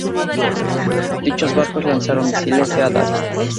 Dichos barcos lanzaron misiles Sea Dart.